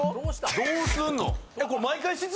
どうやんの？